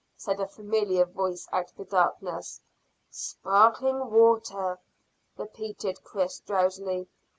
said a familiar voice out of the darkness. "Sparkling water," repeated Chris drowsily.